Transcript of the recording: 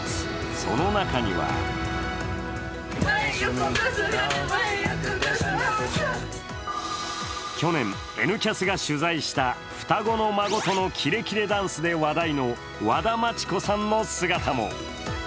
その中には去年、「Ｎキャス」が取材した双子の孫とのキレキレダンスで話題の和田町子さんの姿も。